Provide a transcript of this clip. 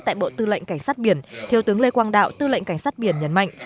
tại bộ tư lệnh cảnh sát biển thiếu tướng lê quang đạo tư lệnh cảnh sát biển nhấn mạnh